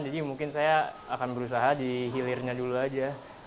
jadi mungkin saya akan berusaha dihilirnya dulu aja